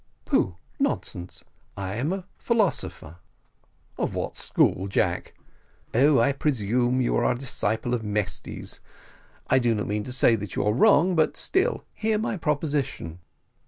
"Pooh! nonsense I am a philosopher." "Of what school, Jack? Oh, I presume you are a disciple of Mesty's. I do not mean to say that you are wrong, but still hear my proposition.